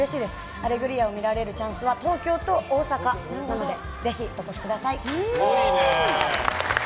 「アレグリア」を見られるチャンスは東京と大阪なのでぜひお越しください。